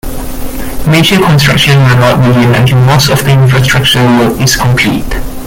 Major construction will not begin until most of the infrastructure work is complete.